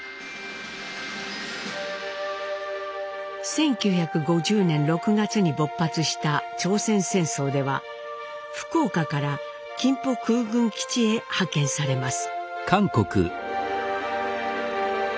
１９５０年６月に勃発した朝鮮戦争では福岡から金浦空軍基地へ派遣されます。